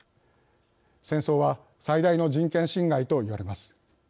戦争は最大の人権侵害と言われます。